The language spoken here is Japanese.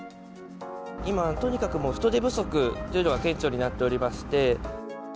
今、とにかく人手不足というのが顕著になっておりまして。